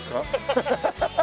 ハハハハ。